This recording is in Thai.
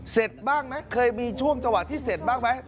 เสร็จบ้างไหมเคยมีช่วงจังหวะที่เสร็จบ้างไหม